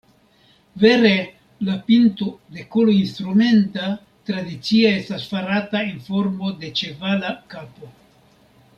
Vere, la pinto de kolo instrumenta tradicie estas farata en formo de ĉevala kapo.